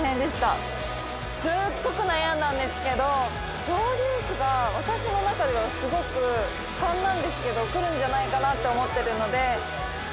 すごく悩んだんですけどドウデュースが私の中ではすごく勘なんですけどくるんじゃないかと思ってるので。